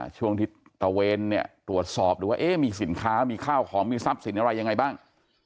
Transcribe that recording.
ช่วงที่ตะเวนเนี่ยตรวจสอบดูว่ามีสินค้ามีข้าวของมีทรัพย์สินอะไรยังไงบ้าง